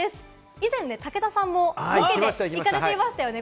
以前、武田さんもロケで行かれていましたよね。